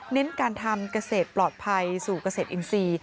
เน้นการทำเกษตรปลอดภัยสู่เกษตรอินทรีย์